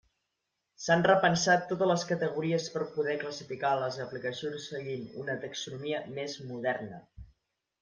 S'han repensat totes les categories per poder classificar les aplicacions seguint una taxonomia més moderna.